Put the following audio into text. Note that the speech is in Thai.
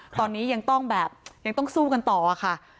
ตอนนี้ยังต้องแบบยังต้องสู้กันต่อค่ะ